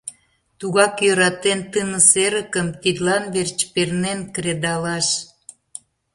Тугак йӧратен тыныс эрыкым, тидлан верч пернен кредалаш.